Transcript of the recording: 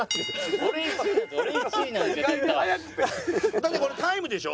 だってこれタイムでしょ？